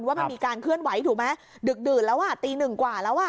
ว่ามันมีการเคลื่อนไหวถูกไหมดึกดื่นแล้วอ่ะตีหนึ่งกว่าแล้วอ่ะ